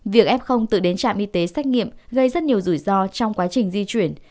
việc f tự đến trạm y tế xét nghiệm gây rất nhiều rủi ro trong quá trình di chuyển